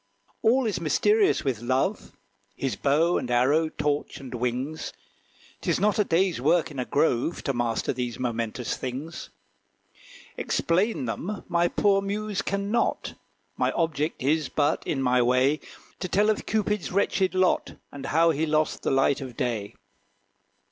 All is mysterious with Love, His bow and arrow, torch, and wings. 'Tis not a day's work in a grove. To master these momentous things. Explain them my poor muse can not; My object is but, in my way, To tell of Cupid's wretched lot, And how he lost the light of day.